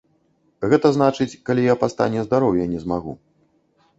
Гэта значыць, калі я па стане здароўя не змагу.